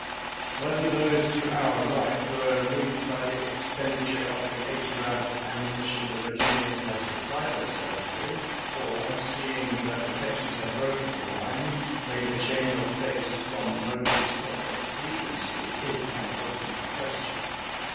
Whether those to our right were moved by the expenditure of the eighty rounds of ammunition the Virginians had supplied themselves with, or, seeing that the Texans had broken the lin^s, made a change of base from motives of expediency, is an open question.